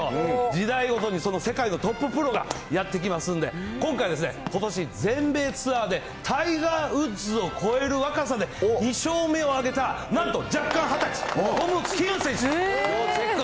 時代ごとに、その世界のトッププロがやって来ますんで、今回、ことし全米ツアーでタイガー・ウッズを超える若さで２勝目を挙げた、なんと若干２０歳、トム・キム選手、要チェック。